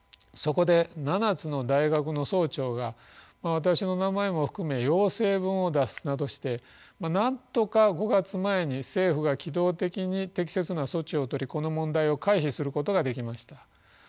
そこで７つの大学の総長が私の名前も含め要請文を出すなどしてなんとか５月前に政府が機動的に適切な措置をとりこの問題を回避することができました。